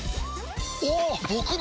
おっ！